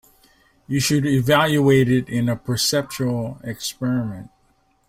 You should evaluate it in a perceptual experiment.